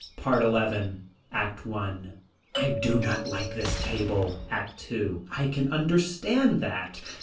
PART XII. ACT I. I do not like this table. ACT II. I can understand that.